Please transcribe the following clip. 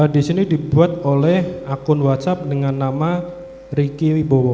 di sini dibuat oleh akun whatsapp dengan nama ricky wibowo